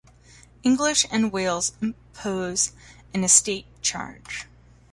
England and Wales impose an estate charge.